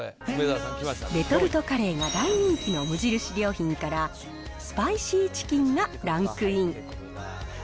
レトルトカレーが大人気の無印良品から、スパイシーチキンがランクイン。